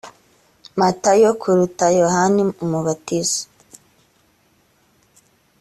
mt kuruta yohana umubatiza